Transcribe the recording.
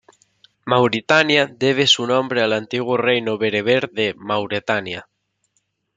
Mauritania debe su nombre al antiguo reino bereber de Mauretania.